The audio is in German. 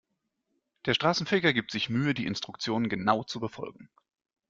Der Straßenfeger gibt sich Mühe, die Instruktionen genau zu befolgen.